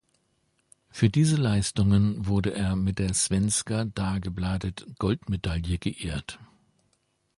Für diese Leistungen wurde er mit der Svenska-Dagbladet-Goldmedaille geehrt.